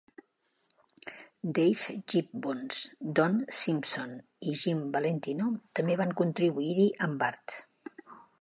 Dave Gibbons, Don Simpson i Jim Valentino també van contribuir-hi amb art.